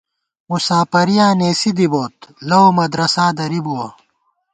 مُساپَرِیاں نېسی دِبوت، لَؤمدرسا درِبُوَہ